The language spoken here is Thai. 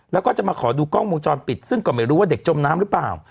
แล้วก็จะมาขอดูกล้องวงจรปิดซึ่งก็ไม่รู้ว่าเด็กจมน้ำหรือเปล่า